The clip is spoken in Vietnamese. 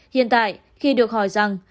hiện tại khi được hỏi rằng